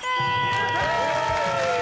やったー！